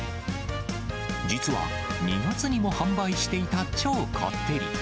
実は２月にも販売していた超こってり。